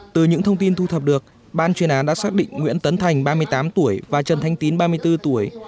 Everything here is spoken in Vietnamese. từ những thông tin thu thập được ban chuyên án đã xác định nguyễn tấn thành ba mươi tám tuổi và trần thanh tín ba mươi bốn tuổi